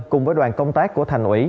cùng với đoàn công tác của thành ủy